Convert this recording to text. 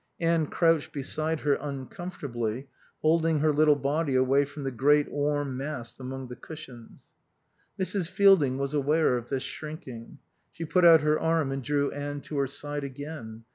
Anne crouched beside her, uncomfortably, holding her little body away from the great warm mass among the cushions. Mrs. Fielding was aware of this shrinking. She put out her arm and drew Anne to her side again.